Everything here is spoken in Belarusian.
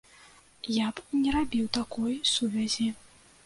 Я б не рабіў такой сувязі.